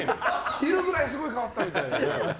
昼ぐらいにすごい変わった！みたいな。